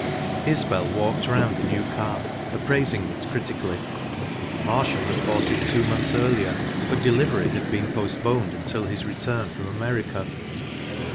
Isbel walked round the new car, appraising it critically, Marshall had bought it two months earlier, but delivery had been postponed until his return from America.